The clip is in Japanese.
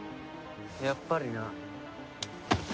やっぱりな。